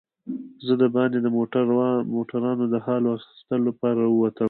زه دباندې د موټرانو د حال و احوال اخیستو لپاره راووتم.